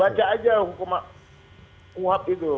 baca aja hukum uap itu